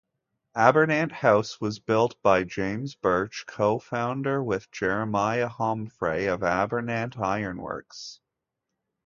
Abernant House was built by James Birch, cofounder with Jeremiah Homfray of Abernant Ironworks.